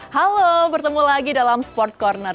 halo bertemu lagi dalam sport corner